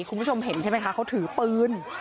คุณผู้ชมเห็นใช่ไหมคะเขาถือปืน